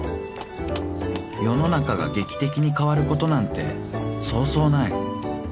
［世の中が劇的に変わることなんてそうそうない］